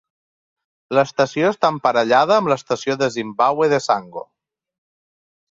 L'estació està emparellada amb l'estació de Zimbabwe de Sango.